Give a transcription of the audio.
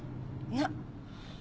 なっ！